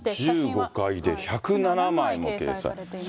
１５回で１０７枚も掲載。